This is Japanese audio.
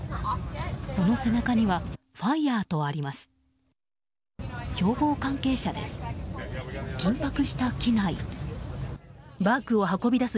その背中にはファイアーとあります。